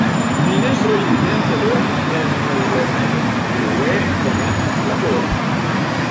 Mi ne tre diligente lernis en mezlernejo, frue komencis labori.